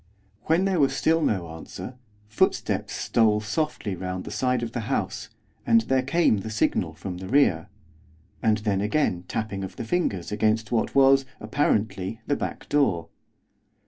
When there was still no answer, footsteps stole softly round the side of the house, and there came the signal from the rear, and then, again, tapping of fingers against what was, apparently, the back door.